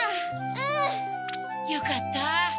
うん！よかった。